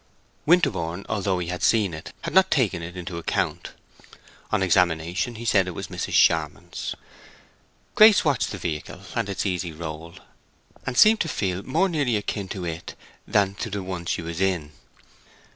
Winterborne, although he had seen it, had not taken it into account. On examination, he said it was Mrs. Charmond's. Grace watched the vehicle and its easy roll, and seemed to feel more nearly akin to it than to the one she was in.